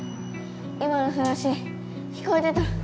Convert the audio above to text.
今の話聞こえてた。